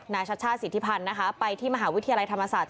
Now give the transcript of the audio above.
ชัชชาติสิทธิพันธ์นะคะไปที่มหาวิทยาลัยธรรมศาสตร์